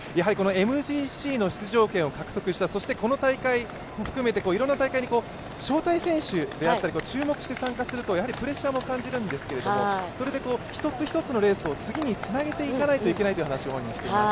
ＭＧＣの出場権を獲得した、そしてこの大会も含めていろんな大会に招待選手であったり注目して参加するとプレッシャーも感じるんですけれども、それで１つ１つのレースを次につなげていかないといけないという話を、本人しています。